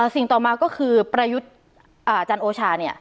สิ่งต่อมาก็คือประยุทธ์จันทร์โอชา